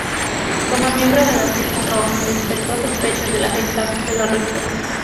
Como miembro de la Orquesta Roja despertó sospechas de la Gestapo que lo arrestó.